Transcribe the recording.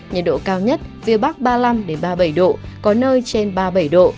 nhiệt độ cao nhất phía bắc ba mươi năm ba mươi bảy độ có nơi trên ba mươi bảy độ